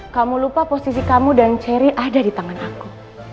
kamu lupa posisi kamu dan cherry ada di tangan aku